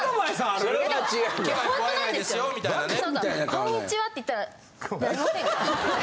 こんにちはって言ったらなりませんか？